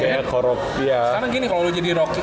sekarang gini kalo lu jadi rocky